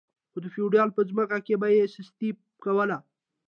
خو د فیوډال په ځمکو کې به یې سستي کوله.